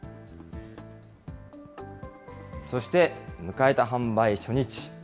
そして迎えた販売初日。